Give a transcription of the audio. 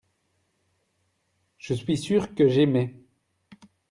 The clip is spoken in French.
je suis sûr que j'aimai.